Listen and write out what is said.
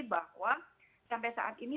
bahwa sampai saat ini